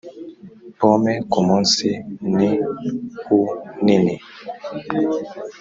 pome kumunsi niu nini